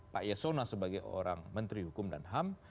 pak yasona sebagai orang menteri hukum dan ham